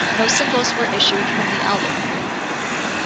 No singles were issued from the album.